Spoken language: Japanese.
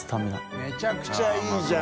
めちゃくちゃいいじゃん。